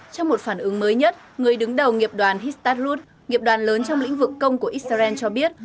trong một phản ứng mới nhất người đứng đầu nghiệp đoàn histatrut nghiệp đoàn lớn trong lĩnh vực công của israel cho biết